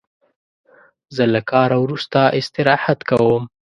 زه له کاره وروسته استراحت کوم.